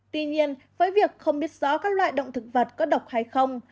tuy nhiên với việc không biết rõ các loại động thực vật có độc hay không